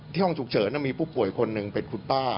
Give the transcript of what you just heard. ห้องฉุกเฉินมีผู้ป่วยคนหนึ่งเป็นคุณป้า